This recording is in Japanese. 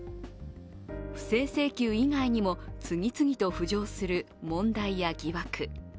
不正請求以外にも次々と浮上する問題や疑惑。